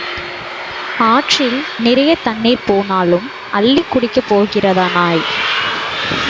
ஆற்றில் நிறையத் தண்ணீர் போனாலும் அள்ளிக் குடிக்கப் போகிறதா நாய்?